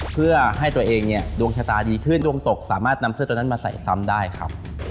เพื่อให้ตัวเองเนี่ยดวงชะตาดีชื่นดวงตกสามารถนำเสื้อตัวนั้นมาใส่ซ้ำได้ครับ